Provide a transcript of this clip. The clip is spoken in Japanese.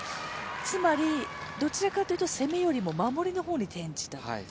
つまりどちらかというと攻めよりも守りの方に転じた。